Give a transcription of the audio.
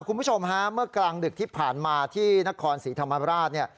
คุณผู้ชมฮะเมื่อกลางดึกที่ผ่านมาที่นครศรีธรรมราชเนี่ย